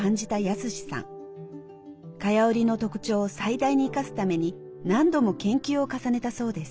蚊帳織の特徴を最大に生かすために何度も研究を重ねたそうです。